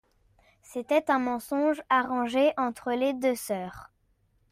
C'était un mensonge arrangé entre les deux soeurs.